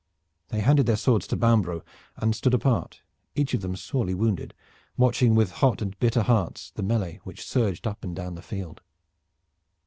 They handed their swords to Bambro' and stood apart, each of them sorely wounded, watching with hot and bitter hearts the melee which still surged up and down the field.